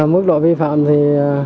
mức độ vi phạm thì